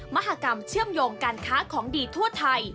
มหากรรมเชื่อมโยงการค้าของดีทั่วไทย